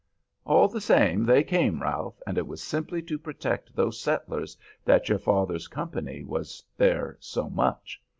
"All the same they came, Ralph, and it was simply to protect those settlers that your father's company was there so much.